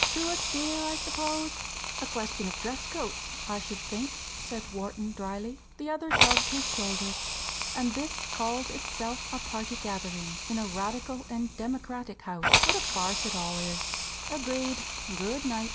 "Too austere, I suppose?" "A question of dress coats, I should think," said Wharton, drily. The other shrugged his shoulders. "And this calls itself a party gathering in a radical and democratic house what a farce it all is!" "Agreed! good night."